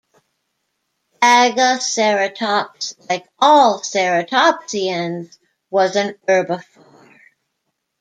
"Bagaceratops", like all ceratopsians, was a herbivore.